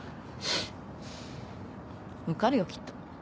受かるよきっと。